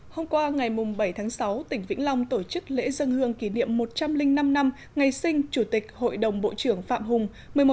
hôm qua ngày bảy sáu tỉnh vĩnh long tổ chức lễ dân hương kỷ niệm một trăm linh năm năm ngày sinh chủ tịch hội đồng bộ trưởng phạm hùng một mươi một sáu một nghìn chín trăm một mươi hai một mươi một sáu hai nghìn một mươi bảy